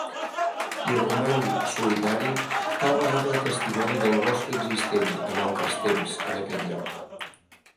Hi roman, solitari, tal vegada testimoni del bosc existent en altres temps en aquest lloc.